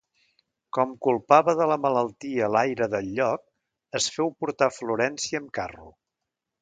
Com culpava de la malaltia l'aire del lloc, es féu portar a Florència amb carro.